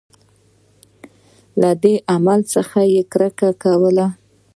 له دې عمل څخه یې کرکه کوله.